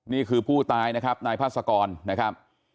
นี่คือผู้ตายนะครับนายพาสกรนะครับ